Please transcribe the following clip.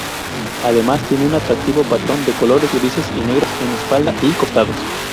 Además tiene un atractivo patrón de colores grises y negros en espalda y costados.